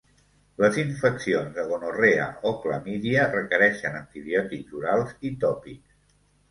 Les infeccions de gonorrea o clamídia requereixen antibiòtics orals i tòpics.